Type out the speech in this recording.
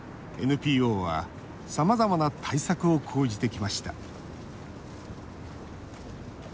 ＮＰＯは、さまざまな対策を講じてきました。